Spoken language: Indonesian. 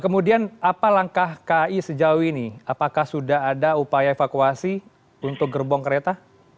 kemudian apa langkah kai sejauh ini apakah sudah ada upaya evakuasi untuk gerbong kereta